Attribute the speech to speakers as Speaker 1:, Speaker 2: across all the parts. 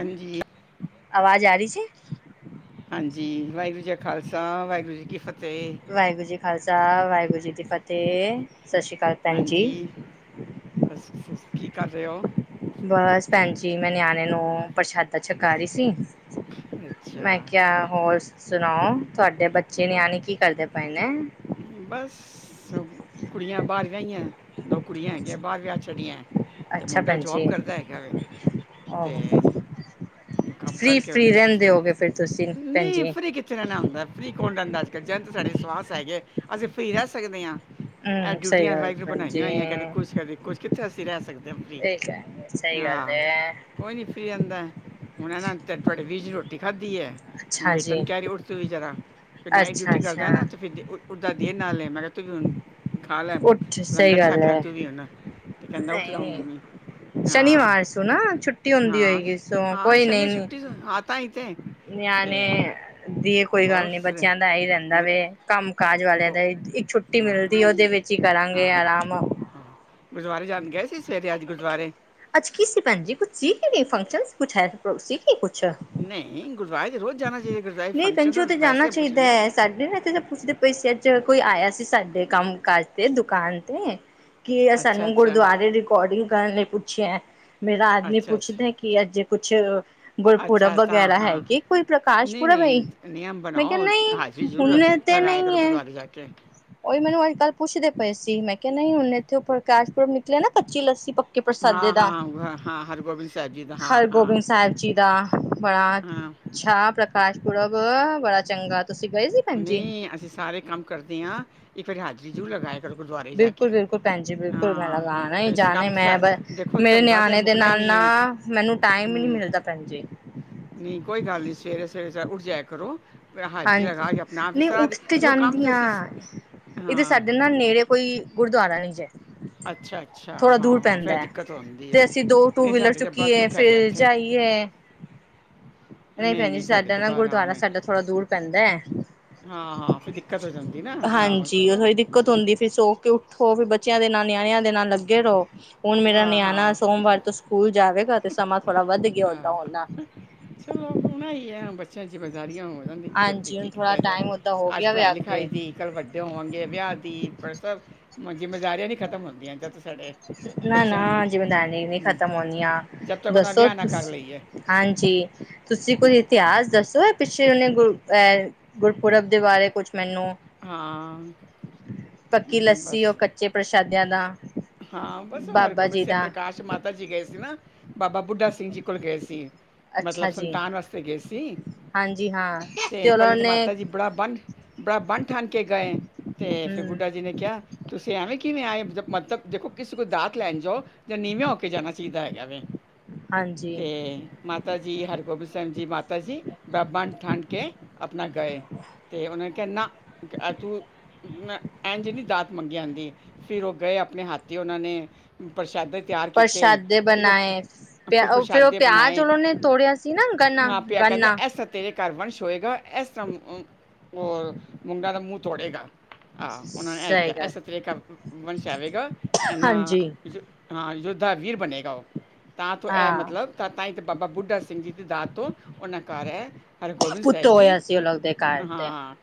Speaker 1: ਅਜੀ
Speaker 2: ਅਵਾਜ਼ ਆ ਰੀ ਸੀ?
Speaker 1: ਹਾਂਜੀ, ਵਾਏਗੁਰੂ ਜੀ ਖਾਲਸਾ ਵਾਏਗੁਰੂ ਜੀ ਕੀ ਫਤੇ।
Speaker 2: ਵਾਏਗੁਰੂ ਜੀ ਖਾਲਸਾ ਵਾਏਗੁਰੂ ਜੀ ਦੀ ਫਤੇ ਸਸ਼੍ਰੀ ਕਾਲ।
Speaker 1: ਹਾਂਜੀ, ਬਸ ਫਸ, ਕੀ ਕੱਰ ਰੇ ਅੋ?
Speaker 2: ਬੱਸ ਭੈਣ ਜੀ ਮੈਂ ਨਿਆਣੇ ਨੂੰ ਪ੍ਰਸ਼ਾਦਾ ਛਕਾ ਰੀ ਸੀ ਮੈਂ
Speaker 1: ਅੱਛਾ
Speaker 2: ਕੇਆ ਹੋਰ ਸੁਣਾਓ, ਤੁਵਾਡੇ ਬੱਚੇ
Speaker 1: ਬ
Speaker 2: ਨਿਆਣੇ ਕੀ ਕਰਦੇ? ਪੈਣੇ
Speaker 1: ਬਸ ਕੁੜੀਆਂ ਬਾਹਰ ਵਿਆਹੀ ਐ, ਦੋ ਕੁੜੀਆਂ ਹੈਗਿਆ ਬਾਹਰ ਵਿਆਹ ਛੱਡੀਆਂ ਐ ਤੇ
Speaker 2: ਅੱਛਾ
Speaker 1: ਮੁੰਡਾ
Speaker 2: ਭੈਣ
Speaker 1: ਜੋਬ
Speaker 2: ਜੀ।
Speaker 1: ਕਰਦਾ ਹੈਗਾ ਵੇ ਤੇ
Speaker 2: ਆਹੋ
Speaker 1: ਕੰਮ ਕਰਕੇ
Speaker 2: ਫ੍ਰੀ-ਫ੍ਰੀ
Speaker 1: ਹੁਣ,
Speaker 2: ਰਹਿੰਦੇ ਹੋਗੇ ਫਿਰ ਤੁਸੀਂ ਭੈਣ
Speaker 1: ਨਹੀਂ
Speaker 2: ਜੀ।
Speaker 1: ਫਰੀ ਕਿਥੇ ਰਹਿਨਾ ਹੁੰਦਾ ਏ ਫਰੀ ਕੌਣ ਰਹਿੰਦਾ ਅੱਜ ਕਲ ਜਦ ਤਕ ਸਾਡੇ ਸਵਾਸ ਹੈਗੇ ਅਸੀਂ ਫ੍ਰਰੀ ਰਹਿ ਸਕਦੇ ਆ ਇਹ
Speaker 2: ਹੂੰ ਸਹੀ
Speaker 1: ਡਿਊਟੀਆਂ
Speaker 2: ਗੱਲ
Speaker 1: ਵਾਏਗੂਰੁ
Speaker 2: ਭੈਣ ਜੀ।
Speaker 1: ਬਣਾਈਆਂ, ਹੋਈਆਂ ਕਦੇ ਕੁਛ ਕਦੇ ਕੁਛ ਕਿੱਥੇ ਅਸੀਂ ਰਹਿ ਸਕਦੇ ਹਾਂ ਫ੍ਰਰੀ
Speaker 2: ਇਹ ਸਹੀ ਗੱਲ ਏ ਐ
Speaker 1: ਕੋਈ ਨਹੀਂ ਫਰੀ ਆਂਦਾ ਹੁਣ ਇਹ ਨਾ [unintelligible] ਰੋਟੀ ਖਾਧੀ ਐ, ਹੁਣ
Speaker 2: ਅੱਛਾ
Speaker 1: ਬੇਟੇ
Speaker 2: ਜੀ
Speaker 1: ਨੇ ਕਹਿ ਰਹੀਂ ਉੱਠ ਤੂੰ ਵੀ ਜਰਾ ਫਿਰ ਨਾਈਟ ਡਿਊਟੀ
Speaker 2: ਅੱਛਾ-ਅੱਛਾ।
Speaker 1: ਕਰਦਾ ਨਾ ਏ ਫਿਰ ਉੱਠਦਾ ਦੇਰ ਨਾਲੇ ਏ ਮੈਂ ਕਿਆ ਤੂੰ ਵੀ ਹੁਣ ਖਾ ਲੈ
Speaker 2: ਉੱਠ ਸਹੀ
Speaker 1: ਲੰਗਰ
Speaker 2: ਗੱਲ
Speaker 1: ਛਕ ਲੈ
Speaker 2: ਹੈ।
Speaker 1: ਤੂੰ ਵੀ ਹੁਨ, ਤੇ ਕਹਿੰਦਾ ਉੱਠਦਾ
Speaker 2: ਨਹੀਂ
Speaker 1: ਮੰਮੀ। ਹਾਂ
Speaker 2: ਸ਼ਨੀਵਾਰ ਸੁੰ ਨਾ ਛੁੱਟੀ ਹੁੰਦੀ
Speaker 1: ਹਾਂ
Speaker 2: ਹੋਏਗੀ
Speaker 1: ਸ਼-
Speaker 2: ਸੂ
Speaker 1: ਹਾਂ ਸ਼ਨੀ ਛੁੱਟੀ ਤੋਂ ਆ ਤਾਹੀ ਤੇ ਤੇ
Speaker 2: ਨਿਆਣੇ ਦੀ ਕੋਈ
Speaker 1: ਹੋਰ
Speaker 2: ਗੱਲ ਨੀ
Speaker 1: ਸਰੇ
Speaker 2: ਬੱਚਿਆਂ ਦਾ ਇਹ ਹੀ ਰਹਿੰਦਾ
Speaker 1: ਗੁਰ
Speaker 2: ਵੇ ਕੰਮ ਕਾਜ ਵਾਲਿਆਂ ਦਾ
Speaker 1: ਉਹ
Speaker 2: ਇੱਕ ਛੁੱਟੀ
Speaker 1: ਹਾਂ
Speaker 2: ਮਿਲਦੀ ਉਹਦੇ ਵਿੱਚ ਹੀ ਕਰਾਂਗੇ
Speaker 1: ਹਾਂ
Speaker 2: ਆਰਾਮ
Speaker 1: ਹਾਂ ਗੁਰਦੁਆਰੇ ਜਾਨ ਗਏ ਸੀ, ਸਵੇਰੇ ਅੱਜ ਗੁਰਦੁਆਰੇ
Speaker 2: ਅੱਜ ਕੀ ਸੀ ਪੈਣ ਜੀ ਕੁਛ ਸੀ ਫੰਕਸ਼ਨ ਸੀ ਕੁਛ ਸੀ ਕੁ
Speaker 1: ਨਹੀਂ ਗੁਰਦੁਆਰੇ ਰੋਜ਼ ਜਾਣਾ ਚਾਹੀਦਾ, ਗੁਰਦੁਆਰੇ
Speaker 2: ਨਹੀਂ
Speaker 1: ਫੰਕਸ਼ਨ
Speaker 2: ਕੰਜੂ ਤੇ ਜਾਣਾ
Speaker 1: ਵੈਸੇ ਪੁੱਛਣ
Speaker 2: ਚਾਹੀਦਾ
Speaker 1: ਰਹੀ ਆ
Speaker 2: ਹੈ ਸਾਡੇ ਨਾ ਤੇ ਪੁਛਦੇ ਪਯੇ ਸੇ ਅਜ ਕੋਈ ਆਇਆ ਸੀ, ਸਾਡੇ ਕੰਮ ਕਾਜ ਤੇ ਦੁਕਾਨ ਤੇ ਕੀ
Speaker 1: ਅੱਛਾ
Speaker 2: ਸਾਨੂੰ
Speaker 1: ਅੱਛਾ
Speaker 2: ਗੁਰਦੁਆਰੇ ਰਿਕੋਡਿੰਗ ਕਰਨ ਲਈ ਪੁੱਛਿਆ ਮੇਰਾ ਆਦਮੀ ਪੁੱਛਦਾ ਏ ਕਿ ਅਜ ਕੁਛ ਗੁਰਪੁਰਬ ਵਗੈਰਾ ਹੈ ਕੀ ਕੋਈ ਪ੍ਰਕਾਸ਼ ਪੁਰਬ ਅਈ ਮੈਂ ਕਿਹਾ ਨਹੀਂ ਹੁਣੇ ਤੇ ਨਹੀਂ ਐ ਉਹੀ ਮੈਨੂੰ ਅੱਜ-ਕੱਲ ਪੁੱਛਦੇ ਪਏ ਸੀ, ਮੈਂ ਕਿਹਾ ਨਹੀਂ ਹੁਣੇ ਇੱਥੇ ਓਹ ਪ੍ਰਕਾਸ਼-ਪੁਰਬ ਨਿਕਲੇ ਨਾ ਕੱਚੀ ਲੱਸੀ ਪ ਕਿ ਪ੍ਰਸਾਦੇ
Speaker 1: ਹਾਂ,
Speaker 2: ਦਾ
Speaker 1: ਹਾਂ, ਹਾਂ, ਹਰਗੋਬਿੰਦ ਸਾਹਿਬ ਜੀ ਦਾ ਹਾਂ, ਹਾਂ,
Speaker 2: ਹਰਗੋਬਿੰਦ ਸਾਹਿਬ ਜੀ ਦਾ ਬੜਾ
Speaker 1: ਹਾਂ।
Speaker 2: ਅੱਛਾ ਪ੍ਰਕਾਸ਼ ਪੁਰਬ ਬੜਾ ਚੰਗਾ ਤੁਸੀਂ ਗਏ ਸੀ ਭੈਣ ਜੀ
Speaker 1: ਨਹੀਂ ਅਸੀਂ ਸਾਰੇ ਕੰਮ ਕਰਦੇ ਹਾਂ ਇਹ ਫਿਰ ਹਾਜ਼ਰੀ ਜਰੂਰ ਲਗਾਇਆ ਕਰੋ, ਗੁਰਦੁਆਰੇ ਜਾ
Speaker 2: ਬਿਲਕੁਲ
Speaker 1: ਕੇ
Speaker 2: ਬਿਲਕੁਲ ਭੈਣ ਜੀ ਬਿਲਕੁਲ ਮੈਂ
Speaker 1: ਆ
Speaker 2: ਲਗਾਣਾ ਹੀ
Speaker 1: ਤੇ ਇਸ
Speaker 2: ਜਾਣੇ
Speaker 1: ਕੰਮ
Speaker 2: ਮੈਂ ਬ
Speaker 1: ਦੇਖੋ
Speaker 2: ਮੇਰੇ
Speaker 1: ਧੰਦਾ ਤਾਂ
Speaker 2: ਨਿਆਣੇ ਦੇ
Speaker 1: ਮੁੱਕਣਾ ਈ
Speaker 2: ਨਾਲ
Speaker 1: ਨਹੀਂ
Speaker 2: ਨਾ
Speaker 1: ਏ
Speaker 2: ਮੈਨੂੰ ਟਾਈਮ ਹੀ ਨਹੀਂ ਮਿਲਦਾ ਭੈਣ ਜੀ
Speaker 1: ਨਹੀਂ ਕੋਈ ਗੱਲ ਨਹੀਂ ਸਵੇਰੇ-ਸਵੇਰੇ ਉਠ ਜਾਇਆ ਕਰੋ ਥੋੜਾ ਹਾਜਰੀ
Speaker 2: ਹਾਂਜੀ
Speaker 1: ਲਗਾ ਨਾ ਫਿਰ
Speaker 2: ਨਹੀਂ
Speaker 1: ਸਾਹ ਦੀ
Speaker 2: ਉੱਠ ਤੇ
Speaker 1: ਦੇਖੋ ਕਮ ਤੇ ਅਸੀ ਹਾੰ
Speaker 2: ਉਹ ਨਾਂ ਨੇੜੇ ਕੋਈ ਗੁਰਦੁਆਰਾ ਨੀ ਜੇ
Speaker 1: ਅੱਛਾ ਅੱਛਾ
Speaker 2: ਥੋੜਾ ਦੂਰ
Speaker 1: ਹਾਂ ਫਿਰ
Speaker 2: ਪੈਂਦਾ ਏ
Speaker 1: ਦਿੱਕਤ ਹੁੰਦੀ
Speaker 2: ਤੇ
Speaker 1: ਹੈ
Speaker 2: ਅਸੀਂ ਦੋ ਟੂ
Speaker 1: ਨਹੀਂ
Speaker 2: ਵੀਲਰ
Speaker 1: ਸਾਡੇ ਤਾਂ ਬੜਾ
Speaker 2: ਚੁੱਕੀਏ
Speaker 1: ਸੁੱਖ ਹੈਗਾ
Speaker 2: ਫਿਰ
Speaker 1: ਇੱਥੇ
Speaker 2: ਜਾਈਏ ਨਹੀਂ ਪੈਣ ਜੀ
Speaker 1: ਸਾਡੇ
Speaker 2: ਸਾਡਾ
Speaker 1: ਤਾਂ
Speaker 2: ਨਾ
Speaker 1: ਬੜਾ
Speaker 2: ਗੁਰਦੁਆਰਾ
Speaker 1: ਆਰਾਮ ਹੈ
Speaker 2: ਸਾਡਾ ਥੋੜ੍ਹਾ ਦੂਰ ਪੈਂਦਾ ਐ
Speaker 1: ਹਾਂ ਹਾਂ ਫਿਰ ਦਿੱਕਤ ਹੋ ਜਾਂਦੀ ਨਾ ਆਹੋ
Speaker 2: ਹਾਂਜੀ ਉਹ
Speaker 1: ਚਲੋ
Speaker 2: ਦਿੱਕਤ ਹੁੰਦੀ ਫਿਰ ਸੋ ਕੇ ਉੱਠੋ ਫਿਰ ਬੱਚਿਆਂ ਦੇ ਨਾਲ ਨਿਆਣਿਆਂ ਦੇ ਨਾਲ ਲੱਗੇ ਰਔ ਹੁਣ ਮੇਰਾ
Speaker 1: ਹਾਂ
Speaker 2: ਨਿਆਣਾ
Speaker 1: ਹਾਂ
Speaker 2: ਸੋਮਵਾਰ ਤੋਂ ਸਕੂਲ ਜਾਵੇਗਾ, ਤੇ ਸਮਾਂ ਥੋੜ੍ਹਾ ਵੱਧ ਗਿਆ ਓਦਾਂ
Speaker 1: ਹਾਂ,
Speaker 2: ਹੂਨ ਨਾ
Speaker 1: ਚਲੋ ਹੁਣ ਐ ਈ ਐ ਬੱਚਿਆਂ ਜ਼ਿੰਮੇਦਾਰੀਆਂ ਹੋ ਜਲਦੀ
Speaker 2: ਹਾਂਜੀ ਹੁਣ
Speaker 1: ਕੀ
Speaker 2: ਥੋੜਾ
Speaker 1: ਕੀਤਾ ਜਾਏ
Speaker 2: ਟਾਈਮ ਓਦਾਂ ਹੋ
Speaker 1: ਅੱਜ
Speaker 2: ਗਿਆ ਵੇ
Speaker 1: ਪੜ੍ਹਾਈ
Speaker 2: ਅੱਗੇ
Speaker 1: ਲਿਖਾਈ ਦੀ ਕੱਲ੍ਹ ਵੱਡੇ ਹੋਨਗੇ ਵਿਆਹ ਦੀ ਪਰ ਸ ਮਜੀ ਜਿਮੇਦਾਰੀਆ ਨਹੀਂ ਖ਼ਤਮ ਹੁੰਦੀਆਂ, ਜਦ ਸਾਡੇ
Speaker 2: ਨਾ ਨਾ
Speaker 1: ਬੱਚਿਆਂ
Speaker 2: ਜਿਮੇਦਾਰੀ ਨੀ ਖਤਮ ਹੋਣੀਆਂ
Speaker 1: ਜਬ ਤੱਕ ਉਹਨਾਂ
Speaker 2: ਦੱਸੋ
Speaker 1: ਵਿਆਹ ਨਾ ਕਰ
Speaker 2: ਤੁਸੀਂ
Speaker 1: ਲਈਏ
Speaker 2: ਹਾਂਜੀ, ਤੁਸੀਂ ਕੋਈ ਇਤਿਹਾਸ ਦੱਸੋ ਐ ਪਿੱਛੇ ਉਹਨੇ ਗੁਰ ਗੁਰਪੁਰਬ ਦੇ ਬਾਰੇ ਕੁਛ ਮੈਨੂੰ
Speaker 1: ਹਾਂ।
Speaker 2: ਪੱਕੀ ਲੱਸੀ ਉਹ
Speaker 1: ਬਸ
Speaker 2: ਕੱਚੇ ਪ੍ਰਸ਼ਾਦਿਆਂ ਦਾ
Speaker 1: ਹਾਂ ਬਸ ਹੋਰ
Speaker 2: ਬਾਬਾ
Speaker 1: ਗੋਬਿੰਦ
Speaker 2: ਜੀ
Speaker 1: ਸਿੰਘ
Speaker 2: ਦਾ
Speaker 1: ਪ੍ਰਕਾਸ਼ ਮਾਤਾ ਜੀ ਗਏ ਸੀ ਨਾ ਬਾਬਾ ਬੁੱਢਾ ਸਿੰਘ ਜੀ ਕੋਲ ਗਏ ਸੀ।
Speaker 2: ਅੱਛਾ
Speaker 1: ਮਤਲਬ
Speaker 2: ਜੀ
Speaker 1: ਸੰਤਾਨ ਵਾਸਤੇ ਗਏ ਸੀ
Speaker 2: ਹਾਂਜੀ ਹਾਂ
Speaker 1: ਤੇ
Speaker 2: ਉਹਨਾਂ
Speaker 1: ਪੈਲੇ ਤੇ
Speaker 2: ਨੇ
Speaker 1: ਮਾਤਾ ਜੀ ਬੜਾ ਬੰਨ, ਬੜਾ ਬੰਨ ਠਨ ਕੇ ਗਏ ਤੇ, ਫੇਰ
Speaker 2: ਹਮ
Speaker 1: ਬੁੱਢਾ ਜੀ ਨੇ ਕਿਆ ਤੁਸੀ ਐਵੇਂ ਕਿਵੇਂ ਆਏ ਜਬ ਮਤਬ ਦੇਖੋ ਕਿਸੇ ਕੋਈ ਦਾਤ ਲੈਣ ਜਾਓ ਜੇ ਨੀਵੇਂ ਹੋ ਕੇ ਜਾਣਾ ਚਾਈਦਾ ਹੈਗਾ ਵੈ
Speaker 2: ਹਾਂਜੀ
Speaker 1: ਤੇ ਮਾਤਾ ਜੀ ਹਰਗੋਬਿੰਦ ਸੈਬ ਜੀ ਮਾਤਾ ਜੀ ਬ ਬਨ ਠਨ ਕੇ ਅਪਨਾ ਗਏ। ਤੇ ਓਨਾਂ ਨੇ ਕਿਆ ਨਾ ਆ ਤੁ ਨਾ ਐਂਝ ਨੀ ਦਾਤ ਮੰਗੀ ਆਂਦੀ ਫਿਰ ਓ ਗਏ ਆਪਨੇ ਹੱਥ ਦੀ ਓਨਾਂ ਨੇ ਪ੍ਰਸ਼ਾਦੇ ਤਿਆਰ ਕੀਤੇ
Speaker 2: ਪ੍ਰਸ਼ਾਦੇ
Speaker 1: ਫਿਰ ਓ
Speaker 2: ਬਣਾਏ
Speaker 1: ਫਿਰ
Speaker 2: ਪਿਆ ਉਹ
Speaker 1: ਪ੍ਰਸ਼ਾਦੇ
Speaker 2: ਪਿਆਜ
Speaker 1: ਬਨਾਏ।
Speaker 2: ਉਹਨਾਂ ਨੇ ਤੋੜਿਆ ਸੀ ਨਾ ਗੰਨਾ
Speaker 1: ਹਾਂ ਪਿਆ ਕੈਂਦੇ
Speaker 2: ਗੰਨਾ
Speaker 1: ਐਸ ਤੇਰੇ ਘਰ ਵੰਸ਼ ਹੋਏਗਾ ਐਸਮ ਓ ਔਰ ਮੁੰਡਾ ਦਾ ਮੂੰ ਤੋੜੇਗਾ। ਆ ਉਨਾਂ ਨੇ ਐ
Speaker 2: ਸਹੀ
Speaker 1: ਕਿਆ
Speaker 2: ਗੱਲ
Speaker 1: ਐਸਾ ਤੇਰੇ ਘਰ ਵੰਸ਼ ਆਵੇਗਾ ਏਨਾ
Speaker 2: ਹਾਂਜੀ
Speaker 1: ਹਾਂ ਯੋਧਾ, ਵੀਰ ਬਣੇਗਾ ਓ ਤਾਂ ਤੋ ਐ
Speaker 2: ਹਾਂ
Speaker 1: ਮਤਲਬ ਤਾਂਈ ਤੇ ਬਾਬਾ ਬੁੱਢਾ ਸਿੰਘ ਜੀ ਦੀ ਦਾਤ ਤੋ ਉਨਾਂ ਘਰ ਐ ਹਰਗੋਬਿੰਦ
Speaker 2: ਪੁੱਤ
Speaker 1: ਸਾਇਬ ਜੀ
Speaker 2: ਹੋਇਆ ਸੀ ਉਹ ਲੋਕ ਦੇ ਘਰ ਤੇ
Speaker 1: ਹਾਂ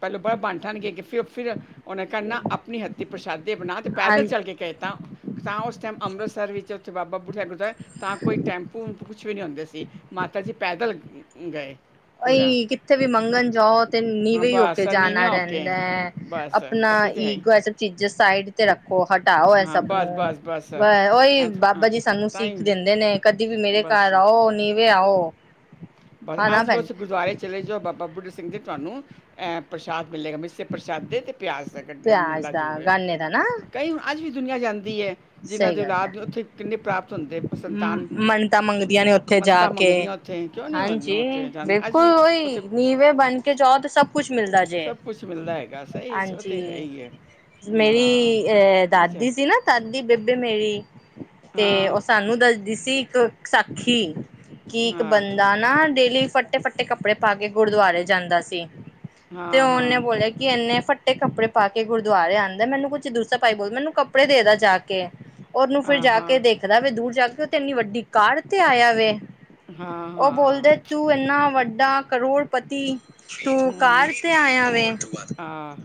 Speaker 1: ਪੈਲੇ ਬੜਾ ਬੰਨ ਠਨ ਕੇ ਗੀ ਫਿ, ਫਿਰ ਉਨੇ ਕੇਆ ਨਾ ਆਪਨੀ ਹੱਥੀ ਪ੍ਰਸ਼ਾਦੇ ਬਨਾ ਤੇ ਪੈਦਲ ਚਲ ਕੇ ਕੈਤਾ ਤਾਂ ਓਸ ਟੈਮ ਅੰਮ੍ਰਿਤਸਰ ਵਿੱਚ ਉੱਥੇ ਬਾਬਾ ਬੁੱਢਾ ਗੁਰਦੁਆਰਾ ਤਾਂ ਕੋਈ ਟੈਂਪੂ ਕੁਛ ਵੀ ਨੀ ਹੋਂਦੇ ਸੀ ਮਾਤਾ ਜੀ ਪੈਦਲ ਗ ਗਏ। ਪੂਰਾ
Speaker 2: ਓਈ ਕਿੱਥੇ ਵੀ ਮੰਗਣ ਜਾਓ ਤੇ
Speaker 1: ਹਾਂ,
Speaker 2: ਨੀਵੇਂ ਈ ਹੋ
Speaker 1: ਬਸ
Speaker 2: ਕੇ
Speaker 1: ਨੀਵੇਂ
Speaker 2: ਜਾਨਾ
Speaker 1: ਹੋ ਕੇ
Speaker 2: ਰੈਂਦਾ ਐ।
Speaker 1: ਬਸ
Speaker 2: ਆਪਨਾ
Speaker 1: ਅਸੀਂ ਤੇ ਹੈ ਹੀ।
Speaker 2: ਈਗੋ ਐ ਸਭ ਚੀਜਾਂ ਸਾਈਡ ਤੇ ਰੱਖੋ, ਹਟਾਓ ਐ
Speaker 1: ਹਾਂ
Speaker 2: ਸਭ
Speaker 1: ਬਸ
Speaker 2: ਨੂੰ
Speaker 1: ਬਸ ਬਸ
Speaker 2: ਓਈ
Speaker 1: ਐਂ ਥੋ- ਹਾਂ,
Speaker 2: ਬਾਬਾ ਜੀ ਸਾਨੂੰ
Speaker 1: ਤਾਂ
Speaker 2: ਸੀਖ
Speaker 1: ਹੀ
Speaker 2: ਦੇਂਦੇ ਨੇ। ਕਦੀ ਵੀ ਮੇਰੇ
Speaker 1: ਬਸ
Speaker 2: ਘਰ ਆਓ, ਨੀਵੇਂ ਆਓ।
Speaker 1: ਔਰ
Speaker 2: ਹਨਾ
Speaker 1: ਅੱਜ ਵੀ
Speaker 2: ਭੈਣ
Speaker 1: ਓਸ ਗੁਰਦੁਆਰੇ ਚਲੇ ਜਾਓ, ਬਾਬਾ ਬੁੱਢਾ ਸਿੰਘ ਜੀ ਤੁਆਨੂੰ ਐ ਪ੍ਰਸ਼ਾਦ ਮਿਲੇਗਾ, ਮਿੱਸੇ ਪ੍ਰਸ਼ਾਦੇ ਤੇ ਪਿਆਜ਼ ਦਾ ਕੱਟਣਾ
Speaker 2: ਪਿਆਜ
Speaker 1: ਮਿਲਦਾ
Speaker 2: ਦਾ
Speaker 1: ਜਰੂੂਰ ਏ।
Speaker 2: ਗਾਨੇ ਦਾ ਨਾ
Speaker 1: ਅੱਜ ਵੀ ਦੁਨੀਆ ਜਾਂਦੀ ਐ, ਜਿੰਨ੍ਹਾਂ
Speaker 2: ਸਹੀ
Speaker 1: ਦੀ ਔਲ਼ਾਦ ਨੀ ਓਥੇ ਕਿੰਨੇ ਪ੍ਰਾਪਤ ਹੁੰਦੈ।
Speaker 2: ਮ ਮੰਨਤਾਂ ਮੰਗਦੀਆਂ ਨੇ ਓਥੇ ਜਾ
Speaker 1: ਮੰਨਤਾਂ
Speaker 2: ਕੇ।
Speaker 1: ਮੰਗਦੀਆਂ ਉੱਥੇ ਕਿਉਂ ਨਹੀਂ ਹੁਣ
Speaker 2: ਹਾਂਜੀ,
Speaker 1: ਉੱਥੇ ਜਾਂਦੀ ਅੱਜ
Speaker 2: ਬਿਲਕੁਲ
Speaker 1: ਵੀ
Speaker 2: ਉਈ
Speaker 1: ਉੱਥੇ
Speaker 2: ਨੀਵੇਂ ਬਣ ਕੇ ਜਾਓ ਤੇ ਸਬ ਕੁਛ ਮਿਲਦਾ ਜੇ
Speaker 1: ਸਭ ਕੁਝ ਮਿਲਦਾ ਹੈਗਾ ਸਹੀ 'ਚ ਉਹ ਤੇ ਹੈ
Speaker 2: ਹਾਂਜੀ।
Speaker 1: ਹੀ ਹੈ
Speaker 2: ਮੇਰੀ
Speaker 1: ਹਾਂ
Speaker 2: ਏ
Speaker 1: ਨਹੀਂ ਜਾ
Speaker 2: ਦਾਦੀ ਸੀ ਨਾ ਦਾਦੀ ਬੇਬੇ ਮੇਰੀ ਤੇ
Speaker 1: ਹਾਂ
Speaker 2: ਓ ਸਾਨੂੰ ਦੱਸਦੀ ਸੀ ਇੱਕ ਸਾਖੀ। ਕਿ ਇੱਕ
Speaker 1: ਹਾਂ
Speaker 2: ਬੰਦਾ ਨਾ ਡੇਲੀ ਫੱਟੇ- ਫੱਟੇ ਕੱਪੜੇ ਪਾ ਕੇ ਗੁਰਦੁਆਰੇ ਜਾਂਦਾ ਸੀ। ਤੇ
Speaker 1: ਹਾਂ
Speaker 2: ਓਨੇ
Speaker 1: ਹਾਂ
Speaker 2: ਬੋਲਿਆ ਕਿ ਏਨੇ ਫੱਟੇ ਕੱਪੜੇ ਪਾ ਕੇ ਗੁਰਦੁਆਰੇ ਆਂਦੈ, ਮੈਨੂੰ ਕੁਛ ਦੂਸਾ ਭਾਈ ਬੋਲਦਾ ਮੈਨੂੰ ਕੱਪੜੇ ਦੇਦਾ ਜਾ ਕੇ। ਓਨੂੰ ਫਿਰ
Speaker 1: ਹਾਂ
Speaker 2: ਜਾ ਕੇ
Speaker 1: ਹਾਂ
Speaker 2: ਦੇਖਦਾ ਵੀ ਦੂਰ ਜਾ ਕੇ ਓ ਤੇ ਏਨੀ ਵੱਡੀ ਕਾਰ ਤੇ ਆਇਆ ਵੇ।
Speaker 1: ਹਾਂ
Speaker 2: ਓ
Speaker 1: ਹਾਂ
Speaker 2: ਬੋਲਦੇ ਤੂ ਏਨਾ ਵੱਡਾ ਕਰੋੜਪਤੀ ਤੂੰ ਕਾਰ
Speaker 1: ਹੂੰ
Speaker 2: ਤੇ ਆਇਆ ਵੇ?
Speaker 1: ਆ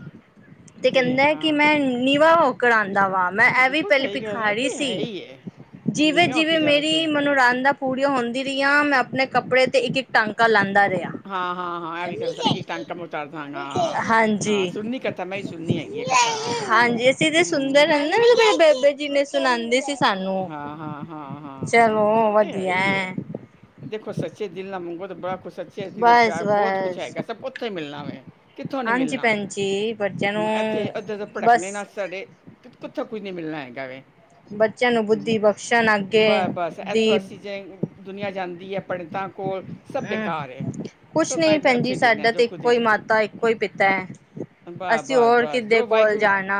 Speaker 2: ਤੇ ਕੈਂਦਾ ਏ ਕਿ ਮੈਂ ਨੀਵਾਂ ਹੋ ਕਰ ਆਂਦਾ ਵਾਂ, ਮੈਂ ਐਵੇਂ ਈ
Speaker 1: ਬਿਲਕੁਲ
Speaker 2: ਪੈਲੇ
Speaker 1: ਸਹੀ ਗੱਲ ਹੈ ਉਹ
Speaker 2: ਭਿਖਾਰੀ
Speaker 1: ਤੇ
Speaker 2: ਸੀ।
Speaker 1: ਹੈ ਹੀ ਹੈ
Speaker 2: ਜਿਵੇ,
Speaker 1: ਨੀਵੇਂ ਹੋ
Speaker 2: ਜਿਵੇ
Speaker 1: ਕੇ ਜਾਣਾ
Speaker 2: ਮੇਰੀ
Speaker 1: ਚਾਹੀਦਾ
Speaker 2: ਲੋੜਾਂਦਾ ਪੂਰੀਆ ਹੋਂਦੀ ਰੀਆ, ਮੈ ਆਪਨੇ ਕੱਪੜੇ ਤੇ ਇੱਕ -ਇੱਕ ਟਾਂਕਾ ਲਾਂਦਾ ਰੇ
Speaker 1: ਹਾਂ, ਹਾਂ, ਹਾਂ ਐਵੀ ਈ ਟਾਂਕੰ [unintelligible] ਮਤਾਰਦਾ ਹਗਾ ਹਾਂ ਹ
Speaker 2: ਹਾਂਜੀ,
Speaker 1: ਸੁਨੀ ਕ
Speaker 2: ਹਾਂਜੀ ਅਸੀ ਤੇ
Speaker 1: ਹੂੰ
Speaker 2: ਸੁਨਦੇ ਰੈਨੇ ਮੇ ਬੇਬੇ ਜੀ ਨੇ ਸੁਨਾਂਦੇ ਸੀ ਸਾਨੂੰ।
Speaker 1: ਹਾਂ, ਹਾਂ, ਹਾਂ, ਹਾਂ, ਹਾਂ
Speaker 2: ਚਲੋ
Speaker 1: ਓ ਤੇ ਹੈ
Speaker 2: ਵਧੀਆ
Speaker 1: ਈ ਐ। ਦੇਖੋ ਸੱਚੇ ਦਿਲ ਨਾ ਮੰਗੋ ਤੇ ਬੜਾ ਕੁਛ ਸੱਚੇ ਜਿਵੇ ਪਿਆਰ ਬੌਤ ਕੁਛ
Speaker 2: ਬਸ-ਬਸ।
Speaker 1: ਹੈਗਾ ਸਬ ਕੋ ਉੱਥੇ ਈ ਮਿਲਣਾ ਵੇ। ਕਿਥੋ ਨੀ
Speaker 2: ਹਾਂਜੀ
Speaker 1: ਮਿਲਨਾ
Speaker 2: ਭੈਣ ਜੀ ਬੱਚਿਆਂ
Speaker 1: ਹੁ
Speaker 2: ਨੂੰ
Speaker 1: ਐਥੇ ਅਦਰ ਭੜਕਣੇ
Speaker 2: ਬਸ
Speaker 1: ਨਾ ਸਾਡੇ ਕਿੱਥੋਂ ਕੁਝ ਨੀ ਮਿਲਨਾ ਹੈਗਾ ਵੈ।
Speaker 2: ਬੱਚਿਆਂ ਨੂੰ, ਬੁੱਧੀ
Speaker 1: ਠੀਕ ਹੈ,
Speaker 2: ਬਖਸ਼ਣ ਅੱਗੇ
Speaker 1: ਬਸ, ਬਸ ਇੱਥੋਂ
Speaker 2: ਦੀ
Speaker 1: ਅਸੀ ਜਾਈ ਦੁਨੀਆਂ ਜਾਂਦੀ ਹੈ ਪੰਡਤਾਂ ਕੋਲ। ਸਭ ਬੇਕਾਰ ਏ,
Speaker 2: ਕੁਛ
Speaker 1: ਸਭ
Speaker 2: ਨਹੀਂ
Speaker 1: ਵਾਹਿਗੁਰੂ
Speaker 2: ਭੈਣ ਜੀ
Speaker 1: ਇਥੋ ਦੇਣਾ,
Speaker 2: ਸਾਡਾ
Speaker 1: ਜੋ
Speaker 2: ਤੇ
Speaker 1: ਕੁਝ
Speaker 2: ਇੱਕੋ ਹੀ
Speaker 1: ਦੇਣਾ।
Speaker 2: ਮਾਤਾ ਇੱਕੋ ਹੀ ਪਿਤਾ ਐ।
Speaker 1: ਵਾਹ-
Speaker 2: ਅਸੀਂ
Speaker 1: ਵਾਹ-
Speaker 2: ਹੋਰ
Speaker 1: ਵਾਹ
Speaker 2: ਕਿਦੇ
Speaker 1: ਜੋ
Speaker 2: ਕੋਲ
Speaker 1: ਵਾਹਿਗੁਰੂ
Speaker 2: ਜਾਣਾ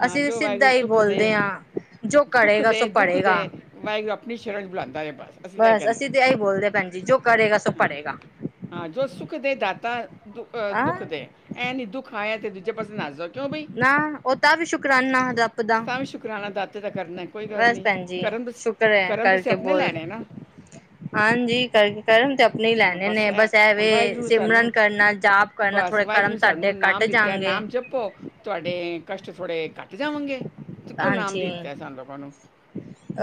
Speaker 1: ਹਾਂ
Speaker 2: ਅਸੀਂ
Speaker 1: ਜੋ
Speaker 2: ਸਿੱਧਾ
Speaker 1: ਵਾਹਿਗੁਰੂ
Speaker 2: ਹੀ
Speaker 1: ਸੁੱਖ
Speaker 2: ਬੋਲਦੇ
Speaker 1: ਦੇ,
Speaker 2: ਹਾਂ ਜੋ
Speaker 1: ਸੁੱਖ
Speaker 2: ਕਰੇਗਾ ਸੋ
Speaker 1: ਦੇ ਦੁੱਖ ਦੇ
Speaker 2: ਪੜ੍ਹੇਗਾ
Speaker 1: ਵਾਹਿਗੁਰੂ ਆਪਣੀ ਸ਼ਰਨ 'ਚ ਬੁਲਾਂਦਾ ਰਿਹਾ ਬਸ ਤਾਂ ਇਹ
Speaker 2: ਬਸ ਅਸੀਂ
Speaker 1: ਕਹਿੰਦੇ
Speaker 2: ਤਾਂ ਐਹੀ ਬੋਲਦੇ ਭੈਣਜੀ, ਜੋ ਕਰੇਗਾ ਸੋ
Speaker 1: ਹਾਂ।
Speaker 2: ਭਰੇਗਾ
Speaker 1: ਹਾਂ ਜੋ ਸੁੱਖ ਦੇ ਦਾਤਾ ਦੁ
Speaker 2: ਹਾਂ
Speaker 1: ਦੁੱਖ ਦੇ ਐ ਨੀ ਦੁਖ ਆਇਆ ਤੇ ਦੂਜੇ ਪਾਸੇ ਨਾਜ਼ੋ
Speaker 2: ਨਾ ਓਦਾ ਵੀ ਸ਼ੁਕਰਾਨਾ ਰੱਬ ਦਾ
Speaker 1: ਕਰਾਣਾ ਦਾਤਾ ਦਾ ਕਰਨਾ ਕੋਈ ਗੱਲ
Speaker 2: ਬਸ
Speaker 1: ਨਹੀਂ,
Speaker 2: ਭੈਣ ਜੀ
Speaker 1: ਕਰਮ ਤੁਸੀ,
Speaker 2: ਸ਼ੁਕਰ ਹੈ
Speaker 1: ਕਰਮ ਤੁਸੀਂ
Speaker 2: ਕਰਕੇ
Speaker 1: ਆਪਣੇ
Speaker 2: ਬੋਲ
Speaker 1: ਲੈਣੇ ਨਾ
Speaker 2: ਹਾਂਜੀ ਕਰ, ਕਰਮ ਤੇ ਆਪਣੇ ਹੀ
Speaker 1: ਹਾਂ,
Speaker 2: ਲੈਣੇ ਨੇ
Speaker 1: ਐ
Speaker 2: ਬਸ
Speaker 1: ਹੁਣ
Speaker 2: ਐਵੇਂ
Speaker 1: ਵਾਹਿਗੁਰੂ
Speaker 2: ਸਿਮਰਨ
Speaker 1: ਸਾਨੂੰ
Speaker 2: ਕਰਨਾ ਜਾਪ ਕਰਨਾ
Speaker 1: ਬਸ
Speaker 2: ਥੋੜੇ ਕਰਮ
Speaker 1: ਵਾਹਿਗੁਰੂ ਸਾਨੂੰ
Speaker 2: ਸਾਡੇ ਕੱਟ
Speaker 1: ਨਾਮ ਦਿੱਤਾ,
Speaker 2: ਜਾਣਗੇ
Speaker 1: ਨਾਮ ਜਪ ਭੋਂ ਤਾਡੇ ਕਸ਼ਟ ਥੋੜ੍ਹੇ ਘੱਟ ਜਾਵਾਂਗੇ ਤੇ ਕਿਉਂ ਇਨਾਮ
Speaker 2: ਹਾਂਜੀ
Speaker 1: ਦਿੱਤਾ ਸਾਨੂੰ ਲੋਕਾਂ ਨੂੰ
Speaker 2: [inaudible]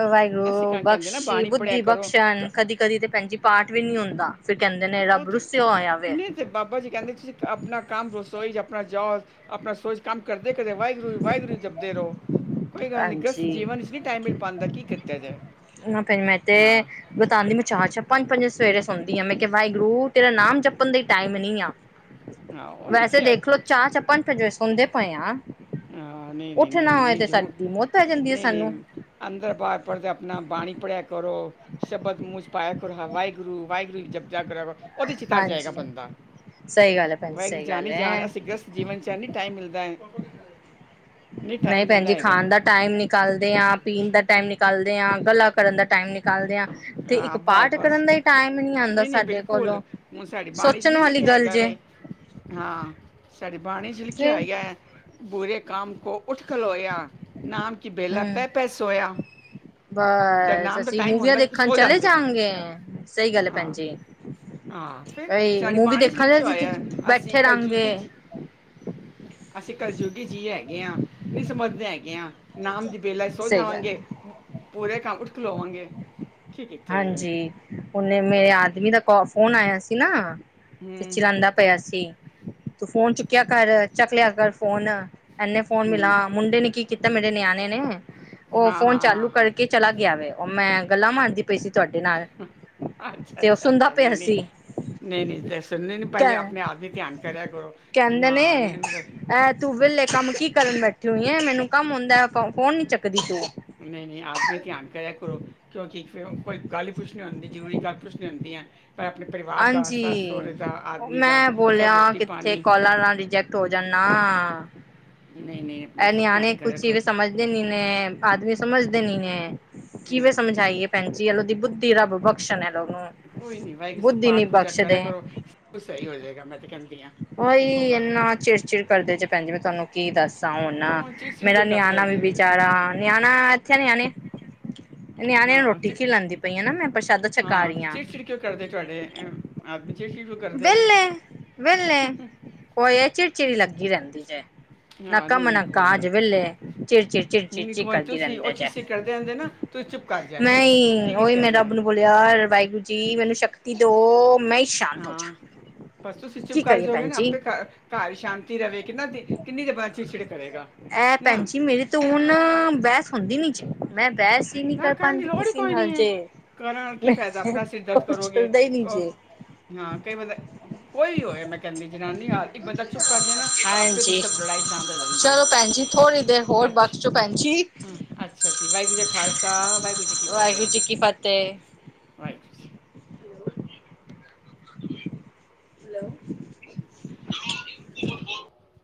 Speaker 1: ਅਸੀਂ
Speaker 2: ਵਾਹਿਗੁਰੂ
Speaker 1: ਕਾਂ ਕਹਿੰਦੇ ਨਾ
Speaker 2: ਬਖਸ਼ੀ
Speaker 1: ਬਾਣੀ ਪੜਿਆ
Speaker 2: ਬੁੱਧੀ
Speaker 1: ਕਰੋ ਤ-
Speaker 2: ਬਖਸ਼ਣ ਕਦੀ- ਕਦੀ ਤੇ ਭੈਣਜੀ ਪਾਠ ਵੀ ਨਹੀਂ ਹੁੰਦਾ ਫਿਰ ਕਹਿੰਦੇ ਨੇ
Speaker 1: ਉਹ
Speaker 2: ਰੱਬ
Speaker 1: ਤੇ,
Speaker 2: ਰੁੱਸਿਆ ਹੋਇਆ ਵੇ
Speaker 1: ਨਹੀਂ ਬਾਬਾ ਜੀ ਕਹਿੰਦੇ ਤੁਸੀਂ ਆਪਣਾ ਕੰਮ ਰਸੋਈ ਆਪਣਾ ਜਾਓ ਆਪਣਾ ਰਸੋਈ 'ਚ ਕੰਮ ਕਰਦੇ- ਕਰਦੇ ਵਾਹਿਗੁਰੂ- ਵਾਹਿਗੁਰੂ ਜਪਦੇ ਰਹੋ ਕੋਈ ਗੱਲ ਨਹੀਂ ਗ੍ਰਸਤ
Speaker 2: ਜੀ,
Speaker 1: ਜੀਵਨ ਇਸ ਨਹੀਂ ਟਾਈਮ ਮਿਲ ਪਾਉਂਦਾ ਕੀ ਕੀਤਾ ਜਾਏ
Speaker 2: ਨਾ ਫਿਰ ਮੈਂ ਤੇ
Speaker 1: ਹਾਂ
Speaker 2: ਬਤਾਉਂਦੀ, ਮੈਂ ਚਾਰ -ਚਾਰ, ਪੰਜ- ਪੰਜ ਸਵੇਰੇ ਸੁਣਦੀ ਆ ਮੈਂ ਕਿਹਾ ਵਾਹਿਗੁਰੂ ਤੇਰਾ ਨਾਮ ਜਪਣ ਦਾ ਟਾਈਮ ਨੀ ਆ
Speaker 1: ਹਾਂ ਉਹ
Speaker 2: ਵੈਸੇ
Speaker 1: ਇੱਥੇ ਹਾਂ
Speaker 2: ਦੇਖਲੋ ਚਾਹ ਚੱਪਣ ਭਜਨ ਸੁਣਦੇ ਪਏ ਆ
Speaker 1: ਨਾਂਹ, ਨਹੀਂ- ਨਹੀਂ-
Speaker 2: ਉੱਠ
Speaker 1: ਨਹੀਂ
Speaker 2: ਨਾ ਹੋਏ
Speaker 1: -ਨਹੀਂ
Speaker 2: ਤੇ
Speaker 1: ਜ਼ਰੂਰ
Speaker 2: ਸਾਡੀ ਮੌਤ ਪੈ ਜਾਂਦੀ ਹੈ
Speaker 1: ਨਹੀਂ
Speaker 2: ਸਾਨੂੰ
Speaker 1: -ਨਹੀਂ ਅੰਦਰ ਬਾਹਰ ਪੜਦਿਆਂ ਆਪਣਾ ਬਾਣੀ ਪੜ੍ਹਿਆ ਕਰੋ ਸ਼ਬਦ ਮੂੰਹ 'ਚ ਪਾਇਆ ਕਰੋ ਵਾਹਿਗੁਰੂ ਵਾਹਿਗੁਰੂ ਜਬ ਜਾ ਕਰੋ ਉਹਦੇ 'ਚ ਤਰ ਜਾਏਗਾ
Speaker 2: ਹਾਂਜੀ
Speaker 1: ਬੰਦਾ
Speaker 2: ਸਹੀ ਗੱਲ ਭੈਣ ਜੀ
Speaker 1: ਵਾਹਿਗੁਰੂ
Speaker 2: ਸਹੀ
Speaker 1: ਜਾਨੀ
Speaker 2: ਗੱਲ
Speaker 1: ਜਾਨ
Speaker 2: ਹੈ
Speaker 1: ਅਸੀਂ ਗ੍ਰਸਤ ਜੀਵਨ 'ਚ ਨੀ ਟਾਈਮ ਮਿਲਦਾ ਨਹੀਂ ਟਾਈਮ
Speaker 2: ਭੈਣ
Speaker 1: ਮਿਲਦਾ
Speaker 2: ਜੀ
Speaker 1: ਹੈਗਾ
Speaker 2: ਖਾਣ ਦਾ ਟਾਈਮ ਨਿਕਾਲਦੇ ਹਾਂ ਪੀਣ ਦਾ ਟਾਈਮ ਨਿਕਾਲਦੇ ਹਾਂ ਗੱਲਾਂ ਕਰਨ ਦਾ ਟਾਈਮ ਨਿਕਾਲਦੇ ਹਾਂ ਤੇ ਇੱਕ
Speaker 1: ਆਹ ਬਾਹਰ
Speaker 2: ਪਾਠ
Speaker 1: ਬਸ,
Speaker 2: ਕਰਨ ਦਾ ਹੀ ਟਾਈਮ ਆਉਂਦਾ
Speaker 1: ਨਹੀਂ- ਨਹੀਂ
Speaker 2: ਸਾਡੇ
Speaker 1: ਬਿਲਕੁਲ
Speaker 2: ਕੋਲੋਂ
Speaker 1: ਹੁਣ ਸਾਡੀ ਬਾਣੀ 'ਚ
Speaker 2: ਸੋਚਣ
Speaker 1: ਨਹੀਂ
Speaker 2: ਵਾਲੀ
Speaker 1: ਲਿਖਿਆ
Speaker 2: ਗੱਲ
Speaker 1: ਹੈਗਾ
Speaker 2: ਜੇ
Speaker 1: ਵੇ ਹਾਂ ਸਾਡੀ ਬਾਣੀ 'ਚ ਲਿਖਿਆ
Speaker 2: ਫਿਰ
Speaker 1: ਹੋਇਆ ਹੈ, ਬੁਰੇ ਕਾਮ ਕੋ ਉੱਠ ਖਲੋਇਆ ਨਾਮ ਕੀ ਬੇਲਾ,
Speaker 2: ਹਮ
Speaker 1: ਪੈ- ਪੈ ਸੋਇਆ ਜਦ
Speaker 2: ਬਸ,
Speaker 1: ਨਾਮ ਦਾ
Speaker 2: ਅਸੀਂ
Speaker 1: ਟਾਈਮ
Speaker 2: ਮੂਵੀਆਂ
Speaker 1: ਹੁੰਦਾ
Speaker 2: ਦੇਖਣ
Speaker 1: ਸੋ
Speaker 2: ਚਲੇ
Speaker 1: ਜਾਂਦੇ ਆ
Speaker 2: ਜਾਵਾਂਗੇ, ਸਹੀ ਗੱਲ ਹੈ ਭੈਣ
Speaker 1: ਹਾਂ
Speaker 2: ਜੀ
Speaker 1: ਹਾਂ ਫਿਰ,
Speaker 2: ਬਈ
Speaker 1: ਸਾਡੀ
Speaker 2: ਮੂਵੀ
Speaker 1: ਬਾਣੀ 'ਚ
Speaker 2: ਦੇਖਣ
Speaker 1: ਲਿਖਿਆ
Speaker 2: ਅਸੀਂ
Speaker 1: ਹੋਇਆ ਅੱਸੀ
Speaker 2: ਬੈਠੇ
Speaker 1: ਕਲਯੁਗੀ
Speaker 2: ਰਹਾਂਗੇ
Speaker 1: ਜੀ ਅਸੀਂ ਕਲਯੁਗੀ ਜੀ ਹੈਗੇ ਆਂ, ਨਹੀਂ ਸਮਝਦੇ ਹੈਗੇ ਆਂ, ਨਾਮ ਦੀ ਬੇਲਾ ਸੋ
Speaker 2: ਸਹੀ ਗੱਲ
Speaker 1: ਜਾਵਾਂਗੇ ਪੂਰੇ ਕੰਮ ਉੱਠ ਖਲੋਵਾਂਗੇ ਕੀ ਕਿੱਥੇ ਜਾਏ
Speaker 2: ਹਾਂਜੀ ਉਹਨੇ ਮੇਰੇ
Speaker 1: ਬਸ
Speaker 2: ਆਦਮੀ ਦਾ ਕੋ ਫੋਨ ਆਇਆ ਸੀ ਨਾ, ਤੇ
Speaker 1: ਹੂੰ
Speaker 2: ਚਿਰਾਂਦਾ ਪਿਆ ਸੀ, ਤੂੰ ਫੋਨ ਚੁੱਕਿਆ ਕਰ, ਚੱਕ ਲਿਆ ਕਰ ਫੋਨ ਐਨੇ ਫੋਨ
Speaker 1: ਹੂੰ
Speaker 2: ਮਿਲਾ, ਮੁੰਡੇ ਨੇ ਕੀ ਕੀਤਾ ਮੇਰੇ ਨਿਆਣੇ ਨੇ, ਉਹ ਫੋਨ ਚਾਲੂ ਕਰਕੇ ਚਲਾ ਗਿਆ ਵੇ, ਉਹ ਮੈਂ ਗੱਲਾਂ ਮਾਰਦੀ ਪਈ ਸੀ ਤੁਹਾਡੇ ਨਾਲ
Speaker 1: ਹਮ, ਅੱਛਾ-
Speaker 2: ਤੇ ਉਹ
Speaker 1: ਅੱਛਾ-
Speaker 2: ਸੁਣਦਾ
Speaker 1: ਅੱਛਾ,
Speaker 2: ਪਿਆ
Speaker 1: ਨਹੀਂ-
Speaker 2: ਸੀ
Speaker 1: ਨਹੀ ਨਹੀਂ- ਨਹੀਂ ਦ ਸੁਣਦੇ ਨੇ ਪਹਿਲੇ
Speaker 2: ਕਹਿ
Speaker 1: ਆਪਣੇ ਆਪ ਵੀ ਧਿਆਨ ਕਰਿਆ ਕਰੋ ਨਾ ਨਹੀਂ ਇਹਨੂੰ
Speaker 2: ਐਹ ਤੂੰ ਵਿਹਲੇ ਕੰਮ ਕੀ ਕਰਨ ਬੈਠੀ ਹੋਈ ਐ, ਮੈਨੂੰ ਕੰਮ ਹੁੰਦਾ ਫੋਨ ਨੀ ਚੱਕਦੀ ਤੂੰ
Speaker 1: ਨਹੀਂ- ਨਹੀਂ ਆਪ ਤੇ ਧਿਆਨ ਕਰਿਆ ਕਰੋ ਕਿਉਂਕਿ ਫਿਰ ਕੋਈ ਗੱਲ ਪੁੱਛਣੀ ਹੁੰਦੀ, ਜ਼ਰੂਰੀ ਗੱਲ ਪੁੱਛਣੀ ਹੁੰਦੀ ਐ ਭੈਂ ਆਪਣੇ ਪਰਿਵਾਰ ਦਾ,
Speaker 2: ਹਾਂਜੀ
Speaker 1: ਸੱਸ ਸਹੁਰੇ ਦਾ, ਆਦਮੀ ਦਾ
Speaker 2: ਮੈਂ
Speaker 1: ਸਭ
Speaker 2: ਬੋਲਿਆ
Speaker 1: ਰੋਟੀ
Speaker 2: ਕਿੱਥੇ
Speaker 1: ਪਾਨੀ
Speaker 2: ਕਾਲਾਂ ਨਾਲ ਰਿਜੈਕਟ ਹੋ ਜਾਣ ਨਾ,
Speaker 1: ਨਹੀਂ ਨਹੀਂ ਆਪਣਾ
Speaker 2: ਐਹ
Speaker 1: ਸਭ ਧਿਆਨ
Speaker 2: ਨਿਆਣੇ ਕੁਛ
Speaker 1: ਕਰਿਆ
Speaker 2: ਨਹੀਂ
Speaker 1: ਕਰੋ
Speaker 2: ਸਮਝ ਦੇ ਨੀ ਨੇ ਆਦਮੀ ਸਮਝਦੇ ਨੀ ਨੇ ਕਿਵੇਂ
Speaker 1: ਨਹੀਂ
Speaker 2: ਸਮਝਾਈਏ।
Speaker 1: ਨਹੀਂ
Speaker 2: ਭੈਣ ਜੀ ਐਲੋ ਦੀ ਬੁੱਧੀ ਰੱਬ ਬਖਸ਼ਣ ਐਨਾ ਨੂੰ।
Speaker 1: ਕੋਈ ਨੀ ਵਾਏ
Speaker 2: ਬੁੱਧੀ ਨੀ
Speaker 1: ਪਾਠ ਪੂਜਾ ਕਰਾ
Speaker 2: ਬਖਸ਼ਦੇ।
Speaker 1: ਕਰੋ ਸ ਸਈ ਹੋ ਜਾਏਗਾ ਮੈਂ ਤੇ ਕੇਂ
Speaker 2: ਉਹੀ ਇੰਨਾ ਚਿੜ-ਚਿੜ ਕਰਦੇ ਜੇ ਭੈਣ ਜੀ, ਮੈਂ ਤੁਹਾਨੂੰ ਕੀ ਦੱਸਾਂ ਹੁਣ।
Speaker 1: ਕਿਉਂ ਚਿੜਚਿੜ
Speaker 2: ਮੇਰਾ
Speaker 1: ਕਿਉਂ ਕਰਦੇ
Speaker 2: ਨਿਆਣਾ ਵੀ
Speaker 1: ਹੈਗੇ ਵੇ
Speaker 2: ਬੇਚਾਰਾ ਨਿਆਣਾ ਇਥੇ ਨਿਆਣੇ ਨਿਆਣੇਆਂ ਨੂੰ
Speaker 1: ਹਾਂ
Speaker 2: ਰੋਟੀ
Speaker 1: ਚਿੜ
Speaker 2: ਖਿਲਾਂਦੀ ਪਈ ਆ ਨਾ ਮੈਂ ਪ੍ਰਸ਼ਾਦਾ ਛਕਾ ਰਈ ਆ।
Speaker 1: ਕਿ ਕਿਉ ਕਰਦੇ ਤੁਹਾਡੇ ਆਦਮੀ ਸ਼ੇਸ਼ੀ ਕਿਉ ਕਰਦੇ ਵੇ।
Speaker 2: ਵਿਹਲੇ-ਵਿਹਲੇ ਉਹ ਇਹ ਚਿੜ-ਚਿੜੀ ਲੱਗੀ ਰੇਂਦੀ ਜੇ। ਨਾ
Speaker 1: ਹਾਂ ਨਹੀਂ
Speaker 2: ਕਾਮ ਨਾ
Speaker 1: ਨਹੀਂ ਕੋਈ ਨਹੀਂ
Speaker 2: ਕਾਜ ਵੇਲੇ ਚਿੜ-ਚਿੜ,
Speaker 1: ਨਹੀਂ
Speaker 2: ਚਿੜ-ਚਿੜ
Speaker 1: ਨਹੀਂ
Speaker 2: ਚਿ
Speaker 1: ਕੋਈ ਨੀ,
Speaker 2: ਕਰਦੀ
Speaker 1: ਤੁਸੀਂ ਉਹ
Speaker 2: ਰੇਂਦੇ ਜੈ।
Speaker 1: ਚਿੜਚਿੜ ਕਰਦੇ ਹੁੰਦੇ ਨਾ ਤੁਸੀਂ ਚੁੱਪ ਕਰ ਜਾਇਆ
Speaker 2: ਮੈਂ
Speaker 1: ਕਰੋ
Speaker 2: ਈ
Speaker 1: ਕੀ
Speaker 2: ਓਹੀ
Speaker 1: ਕੀਤਾ
Speaker 2: ਮੈਂ
Speaker 1: ਜਾਏ
Speaker 2: ਰੱਬ ਨੂੰ ਬੋਲਿਆ ਵਾਹਿਗੁਰੂ ਜੀ ਮੈਨੂੰ ਸ਼ਕਤੀ ਦੋ ਮੈਂ ਹੀ ਸ਼ਾਂਤ ਹੋ ਜਾ
Speaker 1: ਹਾਂ ਪਰ ਤੁਸੀਂ ਚੁੱਪ
Speaker 2: ਕੀ ਕਰੀਏ
Speaker 1: ਕਾਰਜੋ ਗੇ
Speaker 2: ਭੈਣ
Speaker 1: ਨਾ
Speaker 2: ਜੀ
Speaker 1: ਆਪੇ ਕਾਰ ਇਚ ਸ਼ਾਂਤੀ ਰਵੇ ਕਿੰਨਾ ਦੇ ਕਿੰਨੀ ਦੇਰ ਬੰਦਾ ਚਿੜਚਿੜ ਕਰੇਗਾ।
Speaker 2: ਐ
Speaker 1: ਨਾ
Speaker 2: ਭੈਣ ਜੀ ਮੇਰੀ ਤੇ ਹੁਣ ਬਹਸ ਹੁੰਦੀ ਨੀ ਜੇ ਮੈਂ ਬਹਸ
Speaker 1: ਨਾ ਕਰਨ ਦੀ ਲੋੜ ਈ ਕੋਈ ਨੀ ਐ। ਕਰਨ ਨਾਲ ਕੀ ਫੈਦਾ ਆਪਣਾ ਸਿਰ ਦਰਦ ਕਰੋਗੇ
Speaker 2: ਚੱਲਦਾ ਹੀ ਨੀ
Speaker 1: ਉਹ
Speaker 2: ਜੇ
Speaker 1: ਹਾਂ ਕਈ ਬੰਦਾ ਕੋਈ ਵੀ ਹੋਵੇ ਮੈਂ ਕੇਂਦੀ ਜਨਾਨੀ ਆ ਇੱਕ ਬੰਦਾ ਚੁੱਪ ਕਰ ਜੇ ਨਾ। ਆਪੇ ਤੇ
Speaker 2: ਹਾਂਜੀ
Speaker 1: ਸਭ ਲੜਾਈ ਸ਼ਾਂਤ ਹੋ ਜਾਂਦੀ ਹੈ
Speaker 2: ਚਲੋ ਭੈਣ ਜੀ ਥੋੜ੍ਹੀ ਦੇਰ ਹੋਰ
Speaker 1: ਅੱਛਾ
Speaker 2: ਬਖਸ਼ੋ ਭੈਣ ਜੀ।
Speaker 1: ਅੱਛਾ ਜੀ, ਵਾਏਗੁਰੂ ਜੀ ਖਾਲਸਾ ਵਾਏਗੁਰੂ ਜੀ ਕੀ ਫਤੇਹ
Speaker 2: ਵਾਹਿਗੁਰੂ ਜੀ ਕੀ ਫਤਿਹ
Speaker 1: ਵਾਏਗੁਰੂ ਜੀ।
Speaker 2: ਹੈਲੋ।